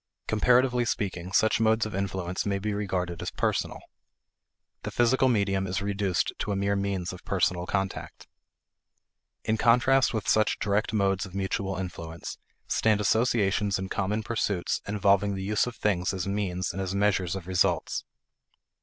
Comparatively speaking, such modes of influence may be regarded as personal. The physical medium is reduced to a mere means of personal contact. In contrast with such direct modes of mutual influence, stand associations in common pursuits involving the use of things as means and as measures of results.